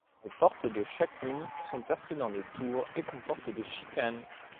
Les portes de chacune sont percées dans des tours et comportent des chicanes.